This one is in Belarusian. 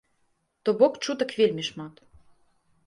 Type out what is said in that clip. То бок чутак вельмі шмат.